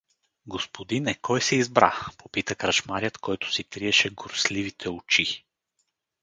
— Господине, кой се избра? — попита кръчмарят, който си триеше гурсливите очи.